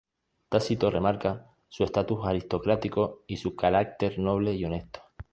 Tácito remarca su estatus aristocrático y su carácter noble y honesto.